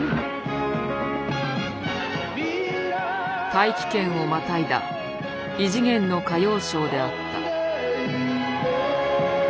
大気圏をまたいだ異次元の歌謡ショーであった。